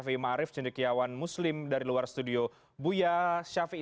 kami akan segera kembali sesaat lagi tetap di newscast